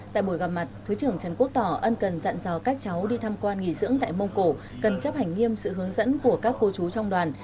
tại buổi gặp mặt thứ trưởng trần quốc tỏ ân cần dặn dò các cháu đi tham quan nghỉ dưỡng tại mông cổ cần chấp hành nghiêm sự hướng dẫn của các cô chú trong đoàn